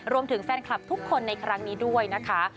รวมถึงแฟนคลับทุกคนในครั้งนี้ด้วยนะคะ